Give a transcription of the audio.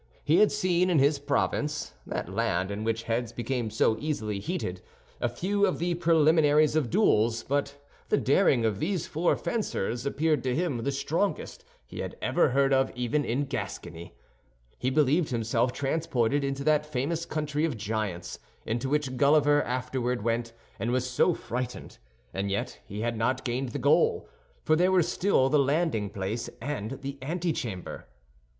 He had seen in his province—that land in which heads become so easily heated—a few of the preliminaries of duels; but the daring of these four fencers appeared to him the strongest he had ever heard of even in Gascony. He believed himself transported into that famous country of giants into which Gulliver afterward went and was so frightened; and yet he had not gained the goal, for there were still the landing place and the antechamber.